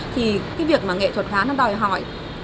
thì cái việc mà nghệ thuật hóa nó đòi hỏi